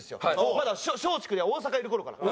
まだ松竹で大阪いる頃から。